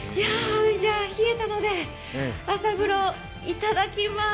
冷えたので、朝風呂、いただきます。